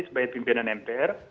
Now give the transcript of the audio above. sebagai pimpinan mpr